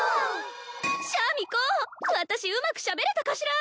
シャミ子私うまくしゃべれたかしら？